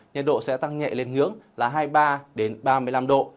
nhật độ sẽ tăng nhẹ lên hướng là hai mươi ba đến ba mươi năm độ